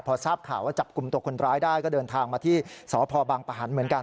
พอทราบข่าวว่าจับกลุ่มตัวคนร้ายได้ก็เดินทางมาที่สพบังปะหันเหมือนกัน